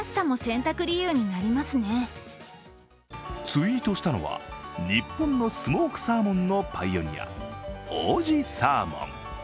ツイートしたのは、日本のスモークサーモンのパイオニア、王子サーモン。